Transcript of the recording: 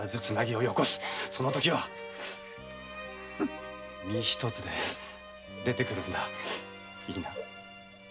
そのときは身一つで出て来るんだいいな。